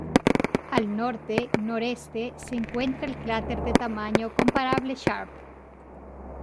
Al norte-noreste se encuentra el cráter de tamaño comparable Sharp.